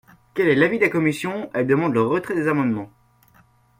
Quel est l’avis de la commission ? Elle demande le retrait des amendements.